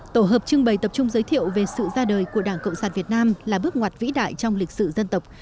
tổ hợp trưng bày tập trung giới thiệu về sự ra đời của đảng cộng sản việt nam là bước ngoặt vĩ đại trong lịch sử dân tộc